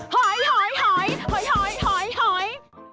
หอย